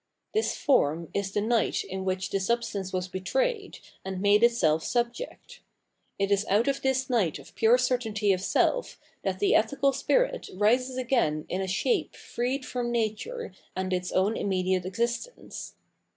This form is the night in which the substance was betrayed, and made itself subject. It is out of this night of pure certainty of self that the ethical spirit rises again in a shape freed from nature and its own immediate existence.